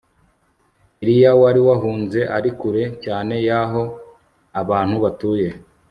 Eliya wari wahunze ari kure cyane yaho abantu batuye